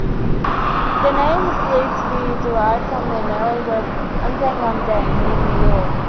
The name is believed to be derived from the Malay word "undang-undang" meaning law.